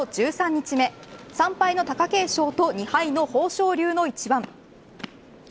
１３日目３敗の貴景勝と２敗の豊昇龍の一番。